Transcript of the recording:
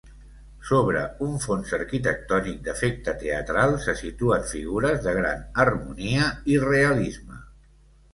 Sobre un fons arquitectònic d'efecte teatral se situen figures de gran harmonia i realisme.